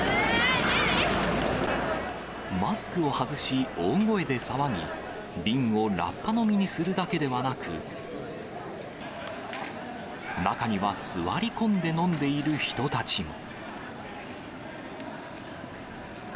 マスクを外し、大声で騒ぎ、瓶をラッパ飲みにするだけではなく、中には座り込んで飲んでいる人たちも。